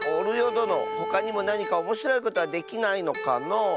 どのほかにもなにかおもしろいことはできないのかのう？